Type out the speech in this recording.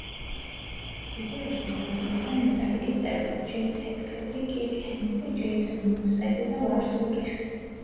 ვიდეოში მონაწილეობენ მეტალიკის წევრები: ჯეიმზ ჰეტფილდი, კირკ ჰემეტი, ჯეისონ ნიუსტედი და ლარს ულრიხი.